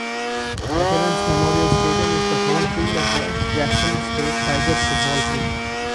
Veterans Memorial Stadium is the home field of the Jackson State Tigers football team.